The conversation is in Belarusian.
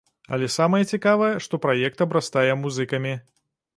Але самае цікавае, што праект абрастае музыкамі.